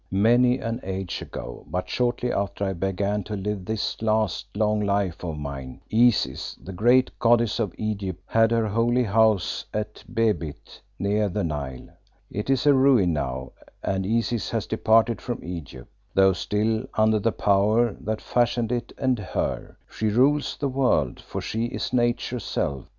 Many an age ago, but shortly after I began to live this last, long life of mine, Isis, the great goddess of Egypt, had her Holy House at Behbit, near the Nile. It is a ruin now, and Isis has departed from Egypt, though still under the Power that fashioned it and her: she rules the world, for she is Nature's self.